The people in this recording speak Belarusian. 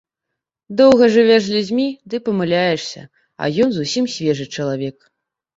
Доўга жывеш з людзьмі ды памыляешся, а ён зусім свежы чалавек.